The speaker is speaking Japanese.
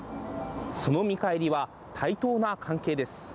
その見返りは、対等な関係です。